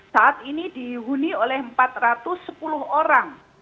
saat ini dihuni oleh empat ratus sepuluh orang